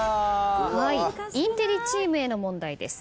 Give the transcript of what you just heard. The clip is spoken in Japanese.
インテリチームへの問題です。